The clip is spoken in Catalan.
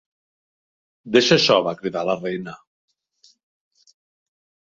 "Deixa això!", va cridar la Reina.